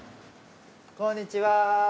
こんにちは。